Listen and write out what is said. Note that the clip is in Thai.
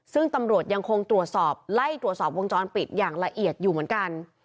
ซึ่งตำรวจยังคงตรวจสอบไล่ตรวจสอบวงจรปิดอย่างละเอียดอยู่เหมือนกัน